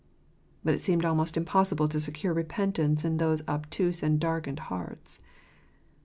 But it seemed almost impossible to secure repentance in those obtuse and darkened hearts.